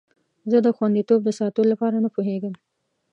زه د خوندیتوب د ساتلو لپاره نه پوهیږم.